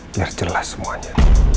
biar jelas semuanya